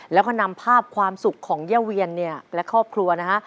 แล้วก็นำภาพความสุขของย่าเวียนเนี่ยและครอบครัวนะฮะ